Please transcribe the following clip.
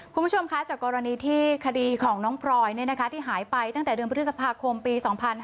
คุณผู้ชมคะจากกรณีที่คดีของน้องพลอยที่หายไปตั้งแต่เดือนพฤษภาคมปี๒๕๕๙